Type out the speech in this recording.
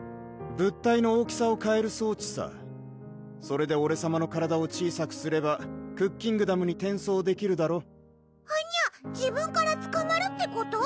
物体の大きさをかえる装置さそれでオレさまの体を小さくすればクッキングダムに転送できるだろはにゃ自分からつかまるってこと？